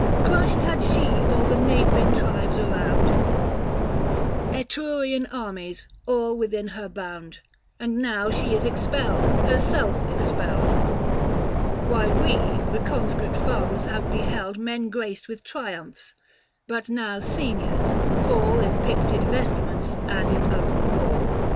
Crushed had she all the neighbouring tribes around, Etrurian armies, all within her bound. And now she is expelled, herself expelled. 425 Why we, the Conscript Fathers, have beheld Men graced with triumphs, but now seniors, fall In picted vestments and in open hall.